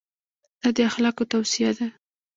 دا د اخلاقو توصیه ده.